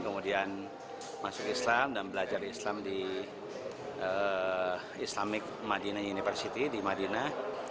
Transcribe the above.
kemudian masuk islam dan belajar islam di islamic madinah university di madinah